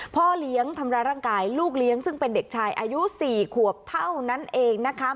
พ่อเลี้ยงทำร้ายร่างกายลูกเลี้ยงซึ่งเป็นเด็กชายอายุ๔ขวบเท่านั้นเองนะคะ